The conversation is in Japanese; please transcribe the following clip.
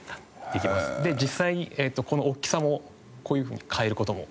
で実際にこの大きさもこういうふうに変える事も。